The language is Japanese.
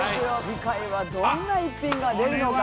次回はどんな逸品が出るのか。